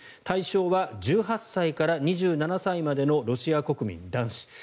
対象は１８歳から２７歳までのロシア国民男子。